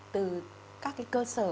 từ các cái cơ sở